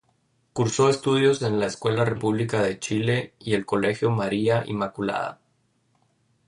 Cursó estudios en la Escuela República de Chile y el Colegio María Inmaculada.